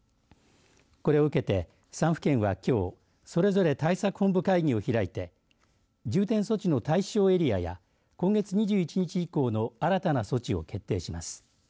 これを受けて３府県はきょうそれぞれ対策本部会議を開いて重点措置の対象エリアや今月２１日以降の新たな措置を決定します。